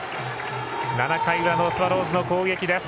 ７回裏のスワローズの攻撃です。